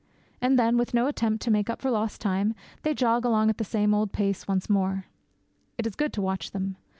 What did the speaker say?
And then, with no attempt to make up for lost time, they jog along at the same old pace once more. It is good to watch them.